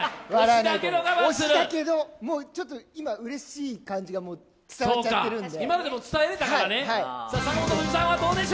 推しだけど、ちょっと今、うれしい感じが伝わっちゃってるんで。